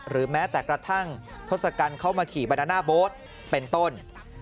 แม้แต่กระทั่งทศกัณฐ์เข้ามาขี่บรรดาหน้าโบ๊ทเป็นต้น